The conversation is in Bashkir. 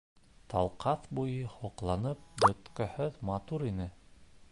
Талҡаҫ буйы һоҡланып бөткөһөҙ матур ине.